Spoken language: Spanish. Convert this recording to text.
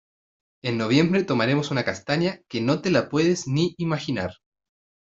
En noviembre tomaremos una castaña que no te la puedes ni imaginar.